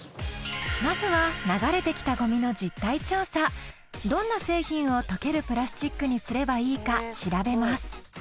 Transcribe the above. まずは流れてきたどんな製品を溶けるプラスチックにすればいいか調べます。